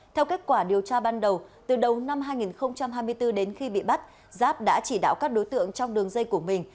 theo kết quả điều tra ban đầu từ đầu năm hai nghìn hai mươi bốn đến khi bị bắt giáp đã chỉ đạo các đối tượng trong đường dây của mình